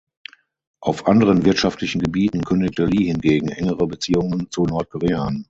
Auf anderen wirtschaftlichen Gebieten kündigte Lee hingegen engere Beziehungen zu Nordkorea an.